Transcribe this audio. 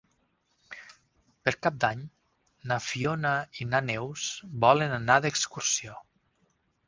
Per Cap d'Any na Fiona i na Neus volen anar d'excursió.